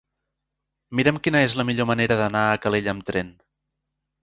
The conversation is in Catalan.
Mira'm quina és la millor manera d'anar a Calella amb tren.